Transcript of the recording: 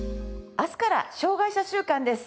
明日から障害者週間です。